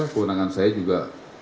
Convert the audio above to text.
keunangan saya juga